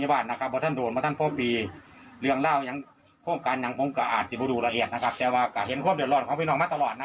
หรือนักการเลี่ยนเขาไปทาง